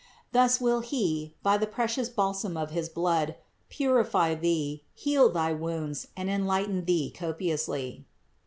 Thus will He, by the precious balsam of his blood, purify thee, heal thy wounds and enlighten thee copiously."